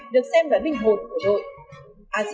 được xem là linh hồn của đội